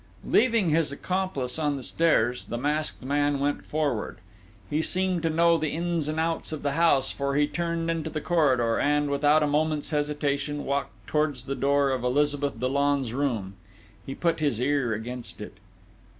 Leaving his accomplice on the stairs, the masked man went forward. He seemed to know the ins and outs of the house, for he turned into the corridor and, without a moment's hesitation, walked towards the door of Elizabeth Dollon's room. He put his ear against it.